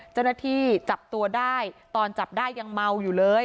เจ้าหน้าที่จับตัวได้ตอนจับได้ยังเมาอยู่เลย